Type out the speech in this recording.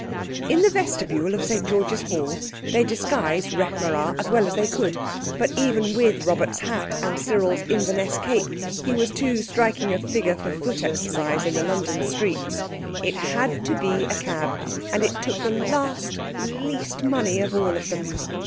In the vestibule of St George's Hall they disguised Rekh marā as well as they could, but even with Robert's hat and Cyril's Inverness cape he was too striking a figure for foot exercise in the London streets. It had to be a cab, and it took the last, least money of all of them.